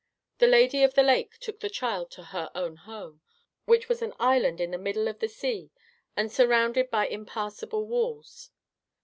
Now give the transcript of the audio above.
The Lady of the Lake took the child to her own home, which was an island in the middle of the sea and surrounded by impassable walls.